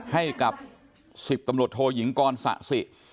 ให้กับ๑๐ตำรวจโทยิงกรสะสิ